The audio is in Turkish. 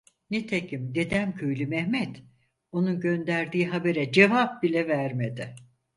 Nitekim Dedemköylü Mehmet onun gönderdiği habere cevap bile vermedi.